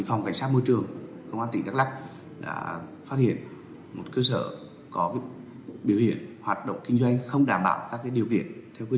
ở số chín mươi sáu đường một mươi chín tháng năm phường ea tam do nguyễn thanh thủy